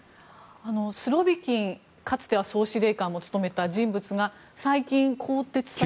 スロビキン氏かつて総司令官を務めた人物が最近、更迭されたと。